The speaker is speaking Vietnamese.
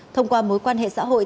thông qua mối quan hệ xã hội